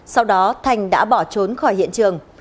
sau đó thành đã bỏ trốn khỏi hiện trường